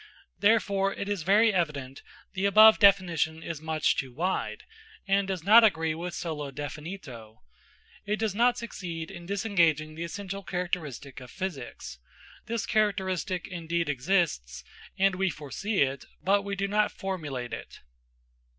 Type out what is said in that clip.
Therefore, it is very evident the above definition is much too wide, and does not agree with solo definito. It does not succeed in disengaging the essential characteristic of physics. This characteristic indeed exists, and we foresee it, but we do not formulate it.